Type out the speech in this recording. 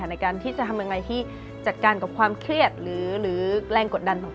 ในการที่จะทำยังไงที่จัดการกับความเครียดหรือแรงกดดันของ